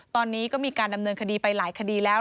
ตอนนี้ก็มีการดำเนินคดีไปหลายคดีแล้ว